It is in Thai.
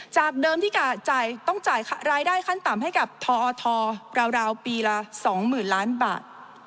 จากเดิมที่ต้องจ่ายรายได้ขั้นต่ำให้กับทอทราวปีละ๒๐๐๐ล้านบาท